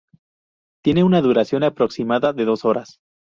Tiene una duración aproximada de dos horas.